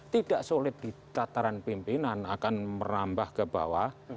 tidak sulit di tataran pimpinan akan menambah ke bawah